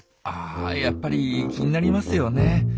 あやっぱり気になりますよね。